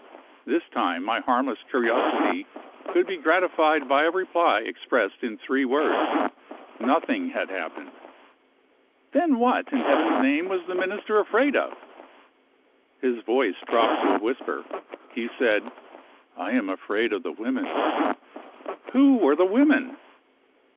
This time, my harmless curiosity could be gratified by a reply expressed in three words nothing had happened. Then what, in Heaven's name, was the Minister afraid of? His voice dropped to a whisper. He said: "I am afraid of the women." Who were the women?